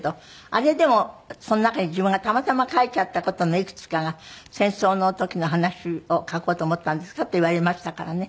あれでもその中に自分がたまたま書いちゃった事のいくつかが「戦争の時の話を書こうと思ったんですか？」って言われましたからね。